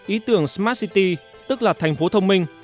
ý tưởng smart city tức là thành phố thông minh